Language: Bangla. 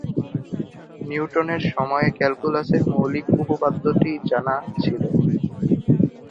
নিউটনের সময়ে ক্যালকুলাসের মৌলিক উপপাদ্যটি জানা ছিল।